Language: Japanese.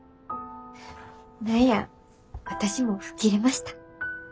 何や私も吹っ切れました。